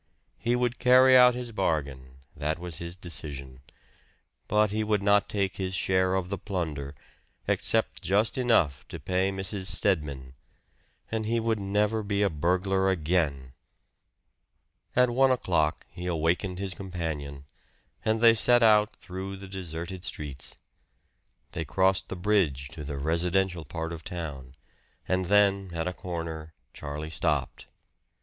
He would carry out his bargain that was his decision. But he would not take his share of the plunder, except just enough to pay Mrs. Stedman. And he would never be a burglar again! At one o'clock he awakened his companion, and they set out through the deserted streets. They crossed the bridge to the residential part of town; and then, at a corner, Charlie stopped.